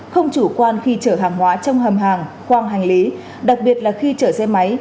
không chủ quan khi chở hàng hóa trong hầm hàng khoang hành lý đặc biệt là khi chở xe máy